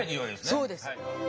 そうです。